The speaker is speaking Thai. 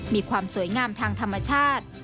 มีความสวยงามทางธรรมชาติ